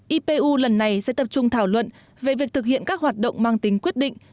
ipu lần này sẽ tập trung thảo luận về việc thực hiện các hoạt động mang tính quyết định